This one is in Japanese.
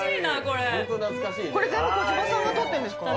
これ全部児嶋さんが撮ってるんですか？